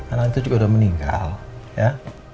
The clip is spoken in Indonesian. anak itu juga sudah meninggal ya